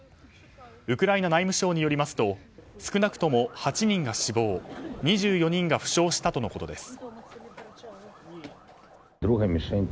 ウクライナ内務省によりますと少なくとも８人が死亡２４人が負傷したとのことです。